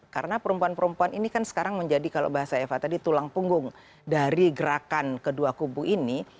karena perempuan perempuan ini kan sekarang menjadi kalau bahasa eva tadi tulang punggung dari gerakan kedua kubu ini